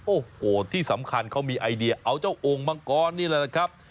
โอ้โหที่สำคัญเขามีไอเดียเอาเจ้าโอ่งมังกรนี่แหละนะครับ